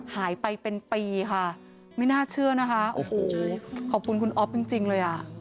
หายไปเป็นปีค่ะไม่น่าเชื่อนะคะโอ้โหขอบคุณคุณอ๊อฟจริงเลยอ่ะ